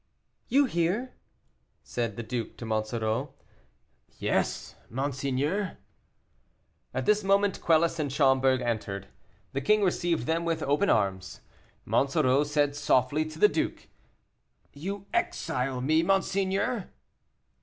"You hear?" said the duke to Monsoreau. "Yes monseigneur." At this moment Quelus and Schomberg entered. The king received them with open arms. Monsoreau said softly to the duke, "You exile me, monseigneur."